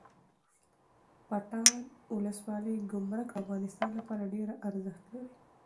پټان ولسوالۍ ګمرک د افغانستان لپاره ډیره ارزښت لري